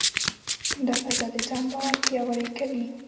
دا فضا د ځان باور پیاوړې کوي.